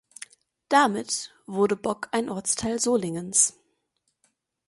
Damit wurde Bock ein Ortsteil Solingens.